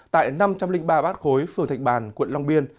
tại năm trăm linh ba bát khối phường thạch bàn quận long biên